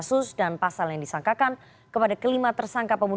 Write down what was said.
disampaikan kak secara langsung kepada anda semua